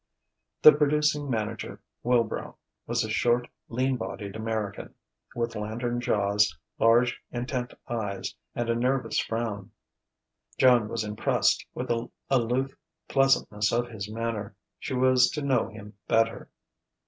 The producing manager, Wilbrow, was a short, lean bodied American, with lantern jaws, large intent eyes, and a nervous frown. Joan was impressed with the aloof pleasantness of his manner: she was to know him better.